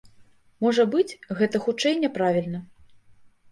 Можа быць, гэта хутчэй няправільна.